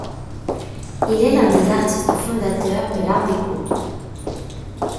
Il est l'un des artistes fondateurs de l’Art déco.